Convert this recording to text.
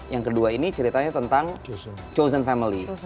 yang kedua ini ceritanya tentang chosen family